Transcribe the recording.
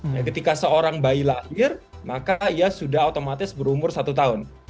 nah ketika seorang bayi lahir maka ia sudah otomatis berumur satu tahun